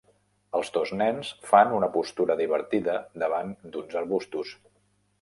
Els dos nens fan una postura divertida davant d'uns arbustos.